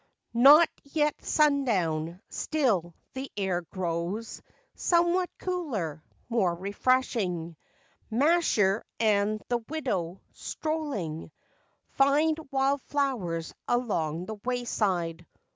Not yet sun down; still the air grows Somewhat cooler, more refreshing. "Masher" and the widow, strolling, Find wild flowers along the wayside.